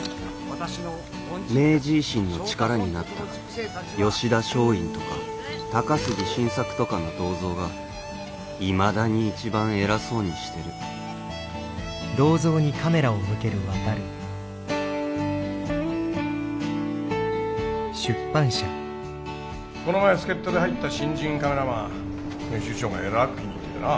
明治維新の力になった吉田松陰とか高杉晋作とかの銅像がいまだに一番偉そうにしてるこの前助っとで入った新人カメラマン編集長がえらく気に入っててな。